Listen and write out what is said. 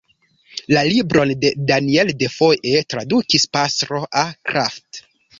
La libron de Daniel Defoe tradukis Pastro A. Krafft.